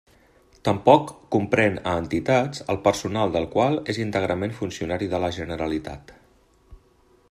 Tampoc comprén a entitats el personal del qual és íntegrament funcionari de la Generalitat.